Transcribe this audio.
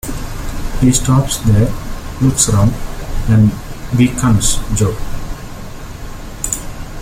He stops there, looks round, and beckons Jo.